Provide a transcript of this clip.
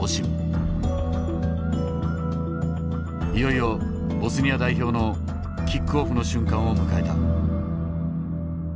いよいよボスニア代表のキックオフの瞬間を迎えた。